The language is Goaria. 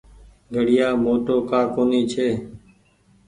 گهڙيآ موٽو ڪآ ڪونيٚ ڇي ۔